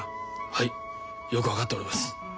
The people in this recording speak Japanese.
はいよく分かっております。